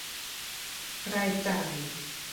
รายจ่าย